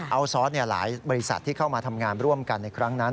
เอาซอสหลายบริษัทที่เข้ามาทำงานร่วมกันในครั้งนั้น